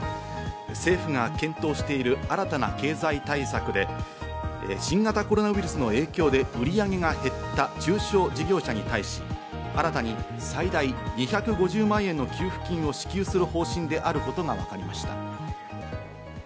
政府が検討している新たな経済対策で新型コロナウイルスの影響で売り上げが減った中小事業者に対し、新たに最大２５０万円の給付金を支給する方針であることがわかりました。